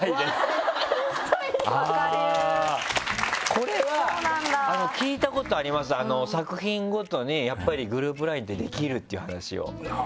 これは聞いたことあります作品ごとにやっぱりグループＬＩＮＥって出来るっていう話を。